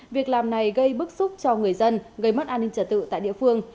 việc làm này gây bức xúc cho người dân gây mất an ninh trả tự tại địa phương